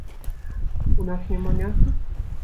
У нас няма мяса?